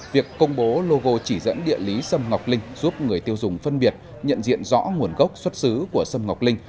việc công bố logo chỉ dẫn địa lý sâm ngọc linh giúp người tiêu dùng phân biệt nhận diện rõ nguồn gốc xuất xứ của sâm ngọc linh